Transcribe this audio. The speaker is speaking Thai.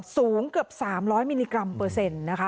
สูงเกือบ๓๐๐มิลลิกรัมเปอร์เซ็นต์นะคะ